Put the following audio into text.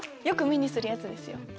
よく目にするやつですよ。